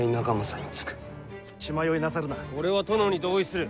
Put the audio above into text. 俺は殿に同意する。